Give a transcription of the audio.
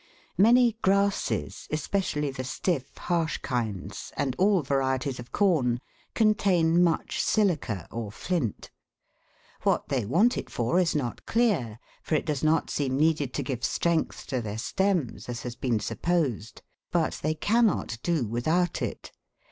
Many grasses, especially the stiff harsh kinds, and all varieties of corn, contain much silica or flint. What they want it for is not clear, for it does not seem needed to give strength to their stems, as has been supposed ; but they cannot do without it.